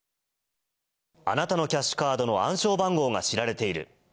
あなたのキャッシュカードの暗証番号が知られている。